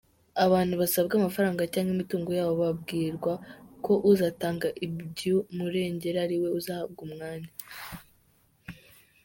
Abantu basabwa amafaranga cyangwa imitungo yabo babwirwa ko uzatanga ibyumurengera ari we uzahabwa umwanya